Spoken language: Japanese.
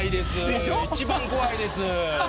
一番怖いです。